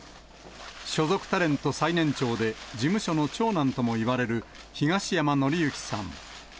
所属タレント最年長で、事務所の長男ともいわれる東山紀之さん。